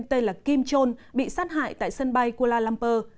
tên là kim chol bị sát hại tại sân bay kuala lumpur